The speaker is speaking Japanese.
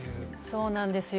そうなんですよ。